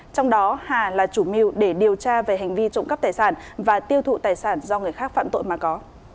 trong đó hà là chủ mưu để điều tra về hành vi trộm cắp tài sản và tiêu thụ tài sản do người khác phạm tội mà có